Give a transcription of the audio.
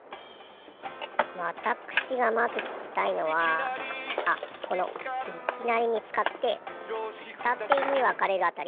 わたくしがまずききたいのはあこのいきなりみつかってふたてにわかれるあたり。